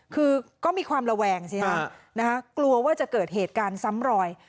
คือก็มีความระแวงสิฮะกลัวว่าจะเกิดเหตุการณ์ซ้ำรอย